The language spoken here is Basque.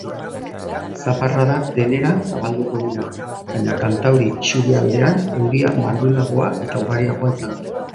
Zaparradak denera zabalduko dira baina kantauri isurialdean euria mardulagoa eta ugariagoa izango da.